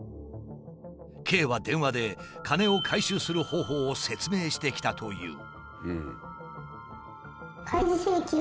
Ｋは電話で金を回収する方法を説明してきたという。